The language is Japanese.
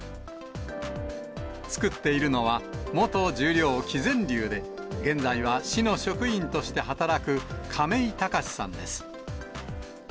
作っているのは、元十両・希善龍で、現在は市の職員として働く亀井貴司さんです。